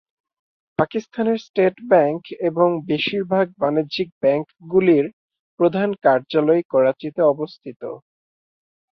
পাকিস্তানের state bank এবং বেশিরভাগ বাণিজ্যিক ব্যাংকগুলির প্রধান কার্যালয় করাচিতে অবস্থিত।